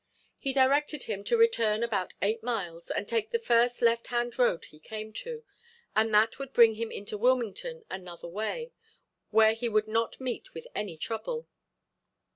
He directed him to return about eight miles and take the first left hand road he came to, and that would bring him into Wilmington another way where he would not meet with any trouble.